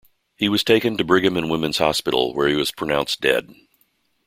He was taken to Brigham and Women's Hospital, where he was pronounced dead.